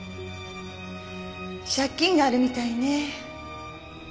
借金があるみたいね。